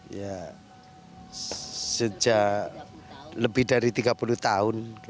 ya sejak lebih dari tiga puluh tahun